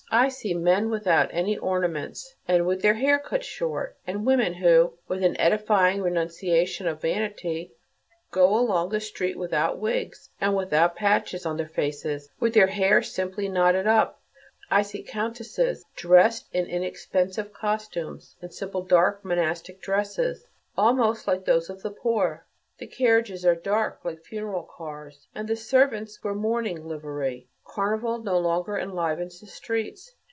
I see men without any ornaments and with their hair cut short; and women who, with an edifying renunciation of vanity, go along the street without wigs and without patches on their faces, with their hair simply knotted up; I see countesses dressed in inexpensive costumes, in simple, dark, monastic dresses, almost like those of the poor. The carriages are dark, like funeral cars, and the servants wear mourning livery. Carnival no longer enlivens the streets.